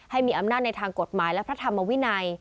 ให้มีอำนาจในทางกฎหมายและพระธรรมวินัย